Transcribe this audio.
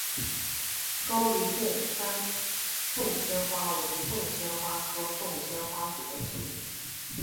高黎贡山凤仙花为凤仙花科凤仙花属的植物。